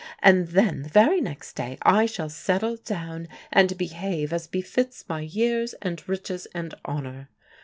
And then the very next day I shall settle down, and behave as befits my years and riches and honor.